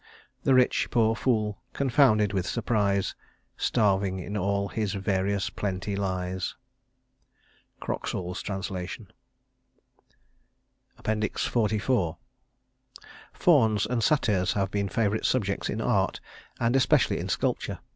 The rich poor fool, confounded with surprise, Starving in all his various plenty lies." (Croxall's trans.) XLIV Fauns and satyrs have been favorite subjects in art and especially in sculpture.